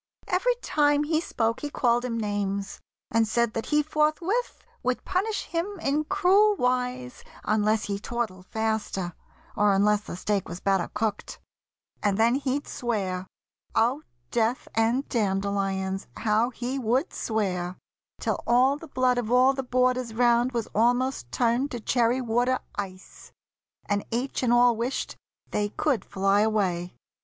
Every time He spoke he called him names, and said that he Forthwith would punish him in cruel wise Unless he tortled faster, or unless The steak was better cooked. And then he'd swear— Oh, death and dandelions! how he would swear! Till all the blood of all the boarders round Was almost turned to cherry water ice, And each and all wished they could fly away.